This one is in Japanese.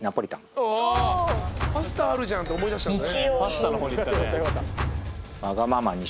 パスタあるじゃんって思い出したんだね。